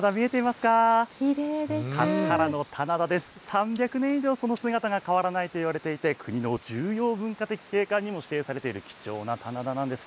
３００年以上、その姿が変わらないといわれていて、国の重要文化的景観にも指定されている貴重な棚田なんです。